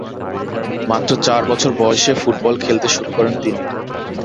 মাত্র চার বছর বয়সে ফুটবল খেলতে শুরু করেন তিনি।